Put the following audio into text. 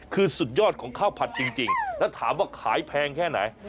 คือสุดยอดของข้าวผัดจริงแล้วถามว่าขายแพงแค่ไหน